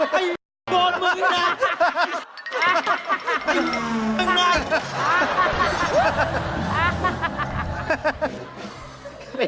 ให้โดนมือมัน